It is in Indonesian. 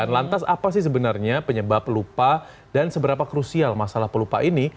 lantas apa sih sebenarnya penyebab lupa dan seberapa krusial masalah pelupa ini